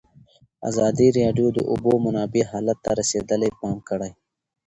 ازادي راډیو د د اوبو منابع حالت ته رسېدلي پام کړی.